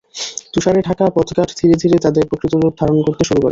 তুষারে ঢাকা পথঘাট ধীরে ধীরে তাদের প্রকৃত রূপ ধারণ করতে শুরু করে।